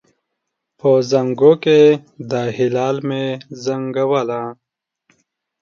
په زانګو کې د هلال مې زنګوله